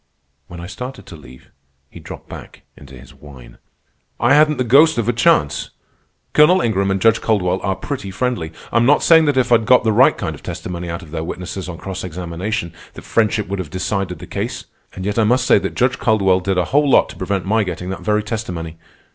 When I started to leave, he dropped back into his whine. "I hadn't the ghost of a chance. Colonel Ingram and Judge Caldwell are pretty friendly. I'm not saying that if I'd got the right kind of testimony out of their witnesses on cross examination, that friendship would have decided the case. And yet I must say that Judge Caldwell did a whole lot to prevent my getting that very testimony.